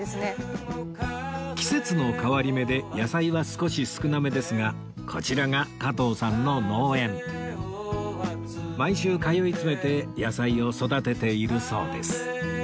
季節の変わり目で野菜は少し少なめですがこちらが毎週通い詰めて野菜を育てているそうです